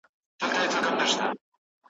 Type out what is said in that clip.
یوه ورځ به پلونه ګوري د پېړۍ د کاروانونو ,